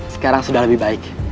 sekarang sudah lebih baik